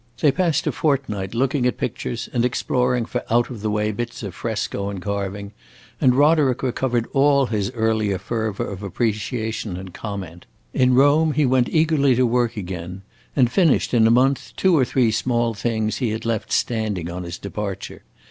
They passed a fortnight looking at pictures and exploring for out the way bits of fresco and carving, and Roderick recovered all his earlier fervor of appreciation and comment. In Rome he went eagerly to work again, and finished in a month two or three small things he had left standing on his departure.